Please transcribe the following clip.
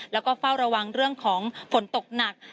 แล้วก็เฝ้าระวังเรื่องของฝนตกหนัก